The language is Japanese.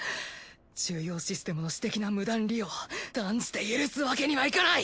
重要システムの私的な無断利用断じて許すわけにはいかない。